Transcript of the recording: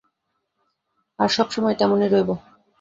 আর সবসময় তেমনই রইব।